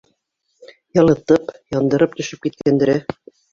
— Йылытып, яндырып төшөп киткәндер, ә?